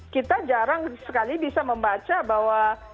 kita jarang sekali bisa membaca bahwa